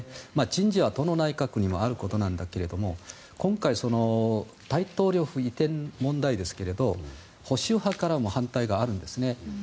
人事はどの内閣にもあることなんだけれども今回、大統領府移転問題ですが保守派からも反対があるんですね。